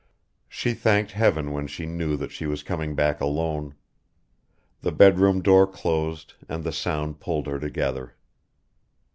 She thanked heaven when she knew that she was coming back alone. The bedroom door closed and the sound pulled her together.